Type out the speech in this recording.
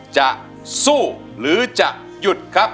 จะสู้หรือจะหยุดครับ